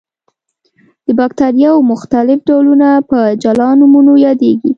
د باکتریاوو مختلف ډولونه په جلا نومونو یادیږي.